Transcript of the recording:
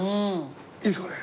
いいですかね？